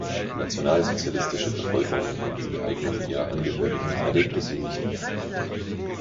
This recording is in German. Die nationalsozialistische Verfolgung und Enteignung ihrer Angehörigen erlebte sie nicht mehr.